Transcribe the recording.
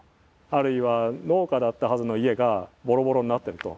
あるいは農家だったはずの家がボロボロになってると。